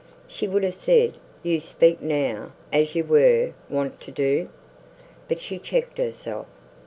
She would have said, "You speak now, as you were wont to do," but she checked herself.